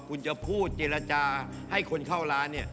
คุณจะพูดเจรจาให้คนเข้าร้านเนี่ย